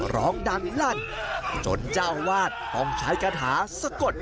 ร้องดังลั่นจนเจ้าวาดต้องใช้กระถาสะกด